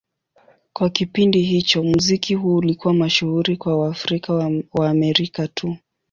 Kwa kipindi hicho, muziki huu ulikuwa mashuhuri kwa Waafrika-Waamerika tu.